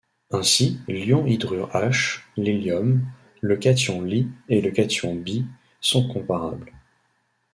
Ainsi l'ion hydrure H, l'hélium, le cation Li et le cation Be sont comparables.